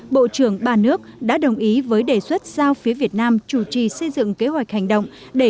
bộ trưởng ba nước đã đồng ý với đề xuất giao phía việt nam chủ trì xây dựng kế hoạch hành động để